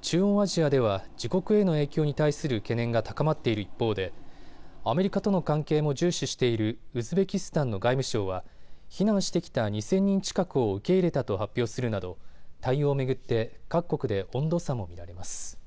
中央アジアでは自国への影響に対する懸念が高まっている一方で、アメリカとの関係も重視しているウズベキスタンの外務省は避難してきた２０００人近くを受け入れたと発表するなど対応を巡って各国で温度差も見られます。